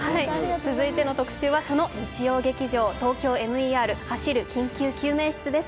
続いての特集は、その日曜劇場「ＴＯＫＹＯＭＥＲ走る緊急救命室」です。